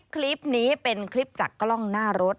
คลิปนี้เป็นคลิปจากกล้องหน้ารถ